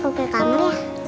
ketinggalan di kamar teman yang